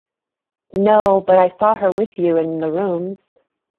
No; but I saw her with you in the rooms.